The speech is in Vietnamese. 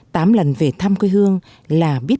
tám lần về thăm quê hương là biết